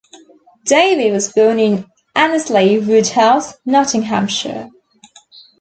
Davey was born in Annesley Woodhouse, Nottinghamshire.